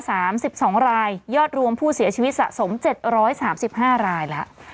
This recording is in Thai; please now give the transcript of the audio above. สามสิบสองรายยอดรวมผู้เสียชีวิตสะสมเจ็ดร้อยสามสิบห้ารายแล้ว